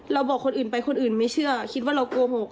บอกคนอื่นไปคนอื่นไม่เชื่อคิดว่าเราโกหก